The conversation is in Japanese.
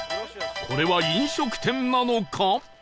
これは飲食店なのか？